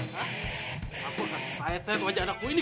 pak aku akan supaya saya mengajak anakmu ini